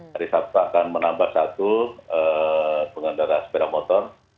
dari sabsa akan menambah satu pengendara sepeda motor